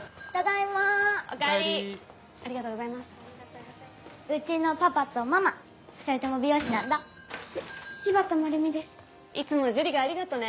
いつも樹里がありがとね。